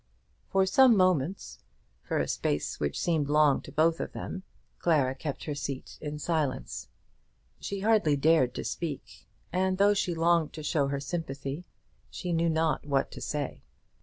For some moments, for a space which seemed long to both of them, Clara kept her seat in silence. She hardly dared to speak, and though she longed to show her sympathy, she knew not what to say.